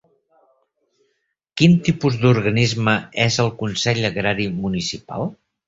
Quin tipus d'organisme és el Consell Agrari Municipal?